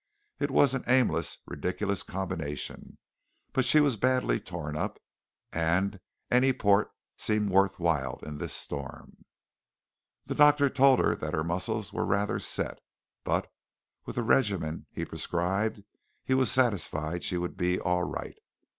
It was an aimless, ridiculous combination, but she was badly torn up, and any port seemed worth while in this storm. The doctor told her that her muscles were rather set, but with the regimen he prescribed, he was satisfied she would be all right.